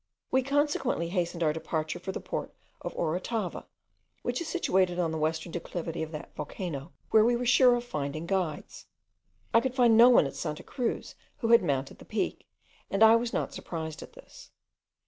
We consequently hastened our departure for the port of Orotava, which is situated on the western declivity of the volcano, where we were sure of finding guides. I could find no one at Santa Cruz who had mounted the peak, and I was not surprised at this.